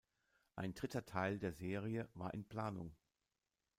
Ein dritter Teil der Serie war in Planung.